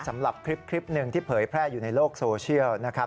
สำหรับคลิปหนึ่งที่เผยแพร่อยู่ในโลกโซเชียลนะครับ